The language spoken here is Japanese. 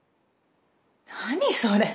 何それ？